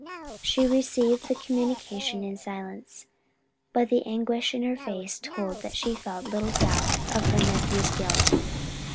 She received the communication in silence, but the anguish in her face told that she felt little doubt of her nephew's guilt.